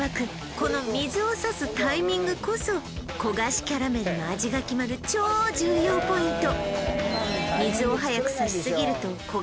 この水をさすタイミングこそ焦がしキャラメルの味が決まる超重要ポイント